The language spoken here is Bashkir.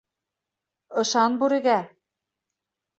Ышан бүрегә!